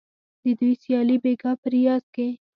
د دوی سیالي بیګا په ریاض کې